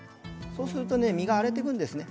そうすると身が荒れてくるんですね。